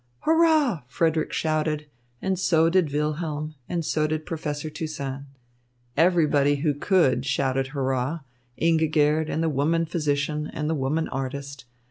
"Hurrah!" Frederick shouted, and so did Wilhelm and so did Professor Toussaint. Everybody who could shouted "Hurrah!" Ingigerd and the woman physician and the woman artist.